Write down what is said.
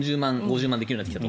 ４０万、５０万できると。